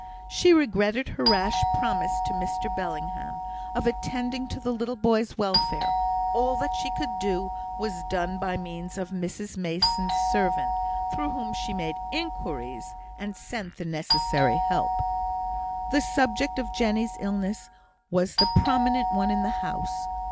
She regretted her rash promise to Mr Bellingham, of attending to the little boy's welfare; all that she could do was done by means of Mrs Mason's servant, through whom she made inquiries, and sent the necessary help. The subject of Jenny's illness was the prominent one in the house.